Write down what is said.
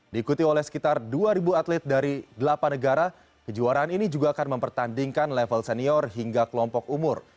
diikuti oleh sekitar dua atlet dari delapan negara kejuaraan ini juga akan mempertandingkan level senior hingga kelompok umur